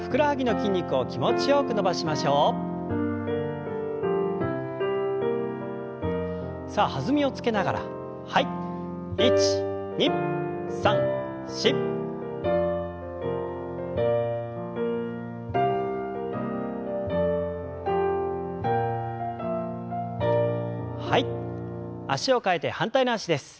脚を替えて反対の脚です。